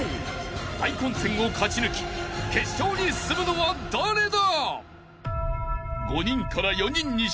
［大混戦を勝ち抜き決勝に進むのは誰だ！？］